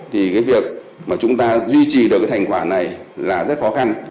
thì việc mà chúng ta duy trì được thành quả này là rất khó khăn